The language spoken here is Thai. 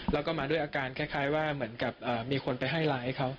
แล้วก็มาด้วยอาการคล้ายว่าเหมือนกับมีคนไปให้ร้ายเขา